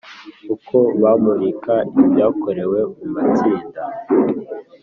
Uko bamurika ibyakorewe mu matsinda